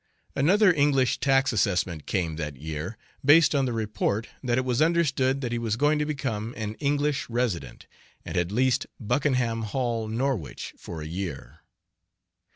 Another English tax assessment came that year, based on the report that it was understood that he was going to become an English resident, and had leased Buckenham Hall, Norwich, for a year.